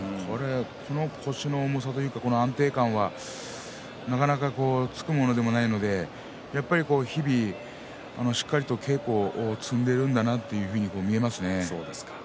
この腰の重さというか安定感はなかなか、つくものではないのでしっかりと稽古を積んでいるんだなというふうに見えますね。